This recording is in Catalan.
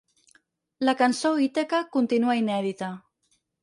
La cançó Ítaca continua inèdita.